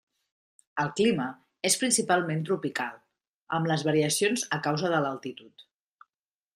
El clima és principalment tropical, amb les variacions a causa de l'altitud.